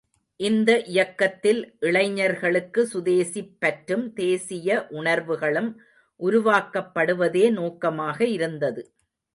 இந்த இயக்கத்தில் இளைஞர்களுக்கு சுதேசிப் பற்றும், தேசிய உணர்வுகளும் உருவாக்கப்படுவதே நோக்கமாக இருந்தது.